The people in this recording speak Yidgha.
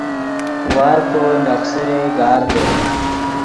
وارفو لخسرے گاردے